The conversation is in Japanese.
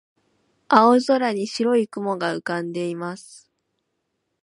青空に白い雲が浮かんでいます。